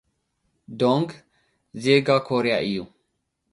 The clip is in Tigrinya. ዶንግ፡ ዜጋ ኮርያ እዩ።